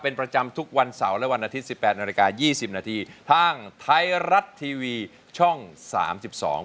เป็นประจำทุกวันเสาร์และวันอาทิตย์สิบแปดนาฬิกายี่สิบนาทีทางไทยรัฐทีวีช่องสามสิบสอง